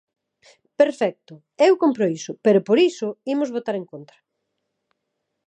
Perfecto, eu compro iso; pero por iso imos votar en contra.